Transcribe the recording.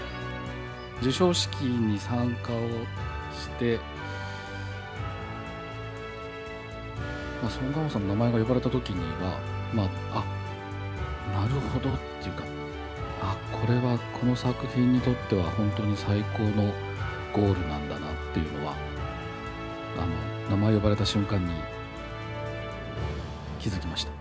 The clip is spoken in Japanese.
授賞式に参加をして、ソン・ガンホさんの名前が呼ばれたときには、あっ、なるほどっていうか、あっ、これはこの作品にとっては、本当に最高のゴールなんだなっていうのは、名前を呼ばれた瞬間に、気付きました。